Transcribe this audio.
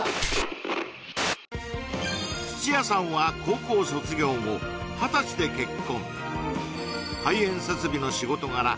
土谷さんは高校卒業後２０歳で結婚排煙設備の仕事柄